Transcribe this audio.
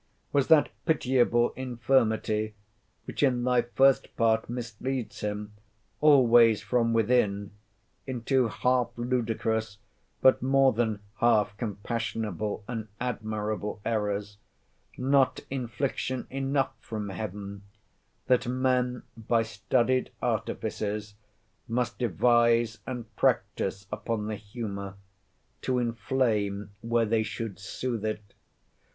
Was that pitiable infirmity, which in thy First Part misleads him, always from within, into half ludicrous, but more than half compassionable and admirable errors, not infliction enough from heaven, that men by studied artifices must devise and practise upon the humour, to inflame where they should soothe it?